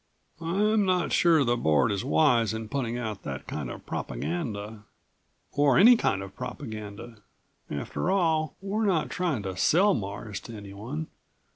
"I'm not sure the Board is wise in putting out that kind of propaganda. Or any kind of propaganda. After all, we're not trying to sell Mars to anyone.